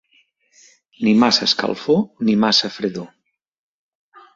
Ni massa escalfor ni massa fredor.